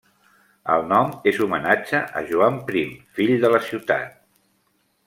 El nom és homenatge a Joan Prim, fill de la ciutat.